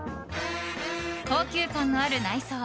高級感のある内装。